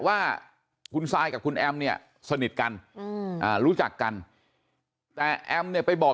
ว่าคุณซายกับคุณแอมเนี่ยสนิทกันรู้จักกันแต่แอมเนี่ยไปบอก